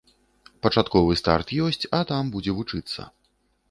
Пачатковы старт ёсць, а там будзе вучыцца.